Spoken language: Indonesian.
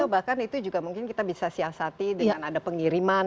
bahkan itu juga mungkin kita bisa siasati dengan ada pengiriman